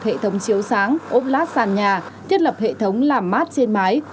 hệ thống chiếu sáng ốp lát sàn nhà thiết lập hệ thống làm mát trên mái